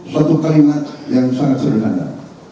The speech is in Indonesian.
satu kalimat yang sangat sederhana